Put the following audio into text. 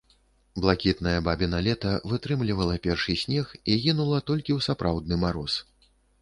Блакітнае бабіна лета вытрымлівала першы снег і гінула толькі ў сапраўдны мароз.